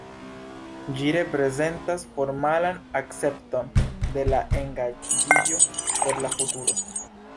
Ĝi reprezentas formalan akcepton de la engaĝiĝo por la futuro.